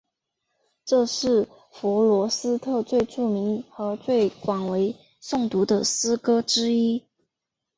这是弗罗斯特最著名和最广为诵读的诗歌之一。